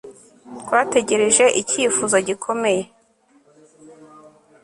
Twategereje icyifuzo gikomeye